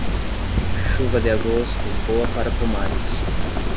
Chuva de agosto, boa para pomares.